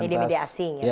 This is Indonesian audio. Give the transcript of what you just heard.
media media asing ya